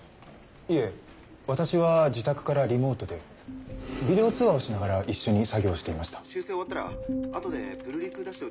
いえ私は自宅からリモートでビデオ通話をしながら一緒に作業していました。